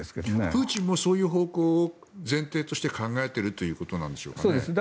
プーチンもそういう方向を前提として考えているということなんでしょうかね。